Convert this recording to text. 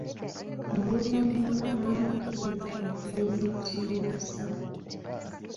Oluvanyuma baamukiriza okugenda okusoma obusawo.